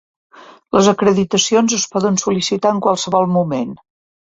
Les acreditacions es poden sol·licitar en qualsevol moment.